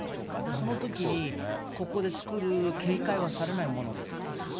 そのときにここで作る、警戒はされないものですか？